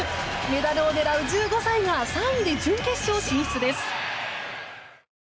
メダルを狙う１５歳が３位で準決勝進出です。